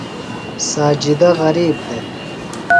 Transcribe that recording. ساجدہ غریب دےۡ۔